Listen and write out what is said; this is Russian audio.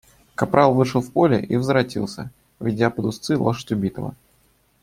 Капрал вышел в поле и возвратился, ведя под уздцы лошадь убитого.